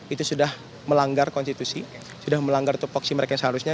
itu sudah melanggar konstitusi sudah melanggar topoksi mereka yang seharusnya